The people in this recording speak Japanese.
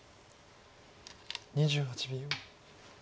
２８秒。